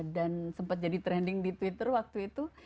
dan sempat jadi trending di twitter waktu itu